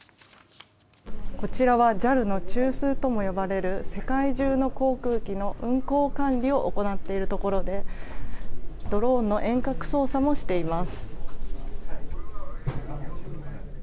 こちらはＪＡＬの中枢とも呼ばれる世界中の航空機の運航管理を行っているところでドローンの遠隔操作もしています。